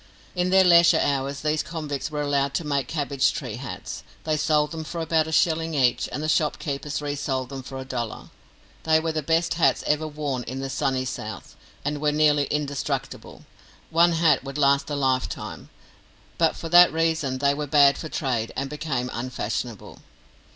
In their leisure hours these convicts were allowed to make cabbage tree hats. They sold them for about a shilling each, and the shop keepers resold them for a dollar. They were the best hats ever worn in the Sunny South, and were nearly indestructible; one hat would last a lifetime, but for that reason they were bad for trade, and became unfashionable.